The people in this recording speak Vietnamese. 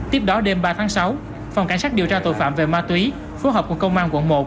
tiếp đó đêm ba tháng sáu phòng cảnh sát điều tra tội phạm về ma túy phối hợp cùng công an quận một